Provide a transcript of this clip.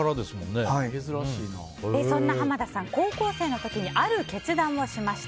そんな濱田さん、高校生の時にある決断をしました。